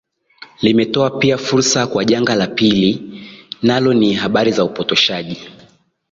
limetoa pia fursa kwa janga la pilli nalo ni habari za upotoshaji